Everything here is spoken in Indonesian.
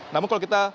namun kalau kita